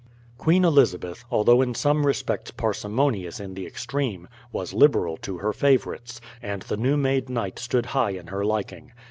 Queen Elizabeth, although in some respects parsimonious in the extreme, was liberal to her favourites, and the new made knight stood high in her liking.